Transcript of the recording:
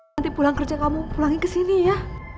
nanti pulang kerja kamu pulangin kesini ya